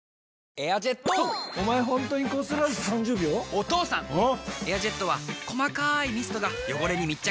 エアジェットは細かいミストが汚れに密着！